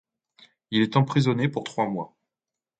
Il est emprisonné pour trois mois.